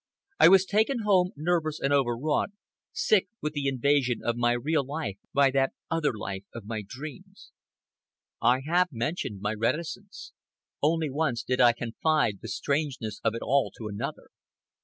I was taken home, nervous and overwrought, sick with the invasion of my real life by that other life of my dreams. I have mentioned my reticence. Only once did I confide the strangeness of it all to another.